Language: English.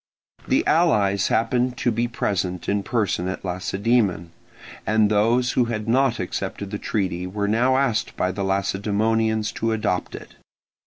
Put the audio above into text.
The allies happened to be present in person at Lacedaemon, and those who had not accepted the treaty were now asked by the Lacedaemonians to adopt it.